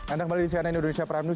anda kembali di cnn indonesia prime news